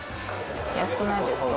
安くないですか？